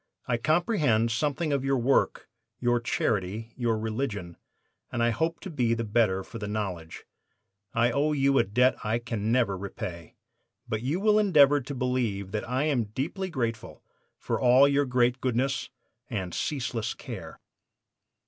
I comprehend something of your work, your charity, your religion, and I hope to be the better for the knowledge. I owe you a debt I can never repay, but you will endeavor to believe that I am deeply grateful for all your great goodness and ceaseless care.